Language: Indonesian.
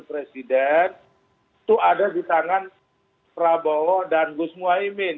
presiden itu ada di tangan prabowo dan gus muhaymin